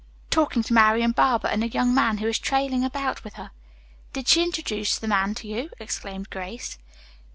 "Talking to Marian Barber and a young man who is trailing about with her." "Did she introduce that man to you?" exclaimed Grace.